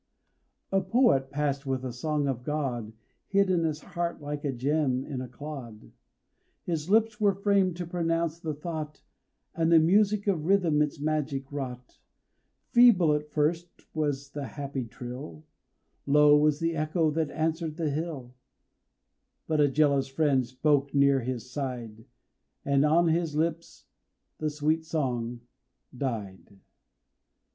A poet passed with a song of God Hid in his heart like a gem in a clod. His lips were framed to pronounce the thought, And the music of rhythm its magic wrought; Feeble at first was the happy trill, Low was the echo that answered the hill, But a jealous friend spoke near his side, And on his lips the sweet song died.